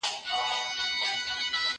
زه اجازه لرم چي ليکلي پاڼي ترتيب کړم!